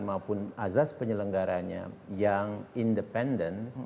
maupun azas penyelenggaranya yang independen